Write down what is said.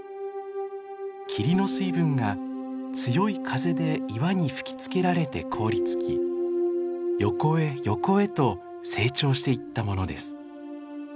霧の水分が強い風で岩に吹きつけられて凍りつき横へ横へと成長していったものです。